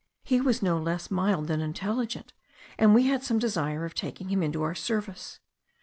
He was no less mild than intelligent, and we had some desire of taking him into our service.